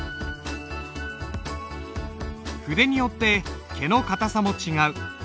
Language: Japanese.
筆によって毛の硬さも違う。